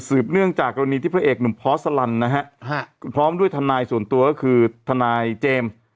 เนื่องจากกรณีที่พระเอกหนุ่มพอสลันนะฮะพร้อมด้วยทนายส่วนตัวก็คือทนายเจมส์